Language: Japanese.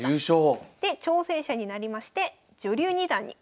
で挑戦者になりまして女流二段に。